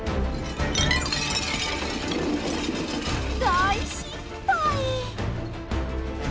大失敗！